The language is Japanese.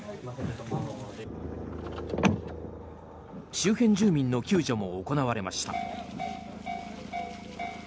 周辺住民の救助も行われました。